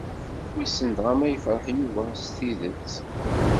Wissen dɣa ma yefṛeḥ Yuba s tidet.